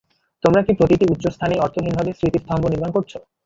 তোমরা কি প্রতিটি উচ্চ স্থানেই অর্থহীনভাবে স্মৃতি স্তম্ভ নির্মাণ করছ?